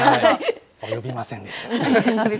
及びませんでした。